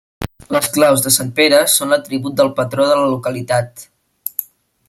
Les claus de sant Pere són l'atribut del patró de la localitat.